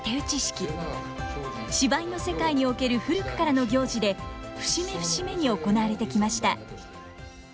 芝居の世界における古くからの行事で節目節目に行われてきました。